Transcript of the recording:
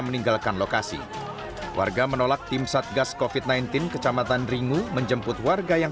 meninggalkan lokasi warga menolak tim satgas kofit sembilan belas kecamatan ringu menjemput warga yang